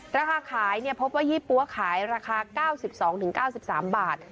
ราคาขายพบว่ายี่ปั๊วขายราคา๙๒๙๓บาท